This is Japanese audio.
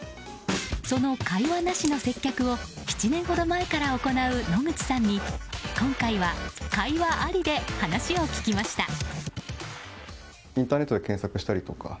その会話なしの接客を７年ほど前から行う野口さんに今回は会話ありで話を聞きました。